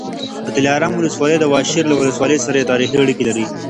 د دلارام ولسوالي د واشېر له ولسوالۍ سره تاریخي اړیکې لري